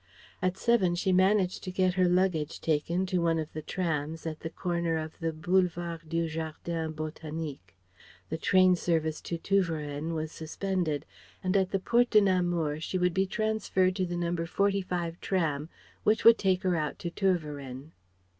At seven she managed to get her luggage taken to one of the trams at the corner of the Boulevard du Jardin Botanique. The train service to Tervueren was suspended and at the Porte de Namur she would be transferred to the No. 45 tram which would take her out to Tervueren.